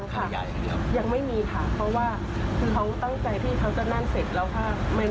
ยังค่ะยังไม่มีค่ะเพราะว่าเขาตั้งใจที่จะนั่งเสร็จแล้วค่ะ